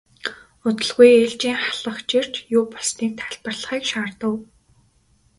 Удалгүй ээлжийн ахлагч ирж юу болсныг тайлбарлахыг шаардав.